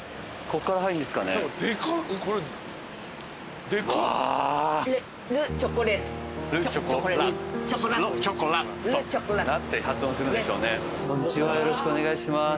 こんにちはよろしくお願いします。